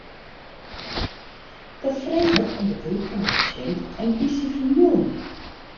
Dat freget om begryp fan de pasjint en dy syn famylje.